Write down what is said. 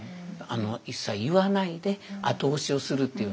一切言わないで後押しをするっていう。